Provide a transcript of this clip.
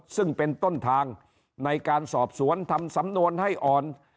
ซึ่งเป็นต้นทางในการสอบสวนทำสำนวนให้อ่อน